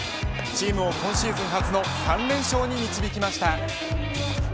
チームを今シーズン初の３連勝に導きました。